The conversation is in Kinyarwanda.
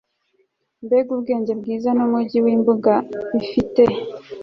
mbega ubwenge bwiza n'umujyi n'imbuga bifite